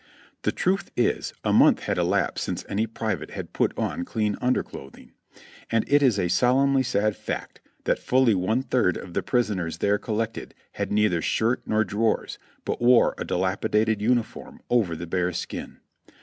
The truth is, a month had elapsed since any private had put on clean underclothing; and it is a solemnly sad fact tliat fully one third of the prisoners there collected had neither shirt nor drawers, but wore a dilapidated uniform over the bare skin.